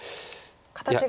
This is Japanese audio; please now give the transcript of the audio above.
形が。